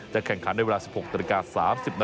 จะแข่งขันในเวลา๑๖๓๐น